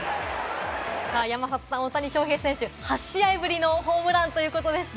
山里さん、大谷翔平選手、８試合ぶりのホームランということでした。